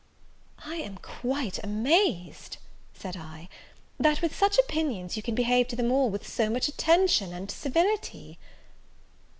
"I am quite amazed," said I, "that, with such opinions, you can behave to them all with so much attention and civility."